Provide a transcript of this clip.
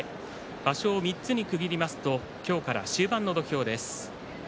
場所を３つに区切りますと今日から終盤の土俵です。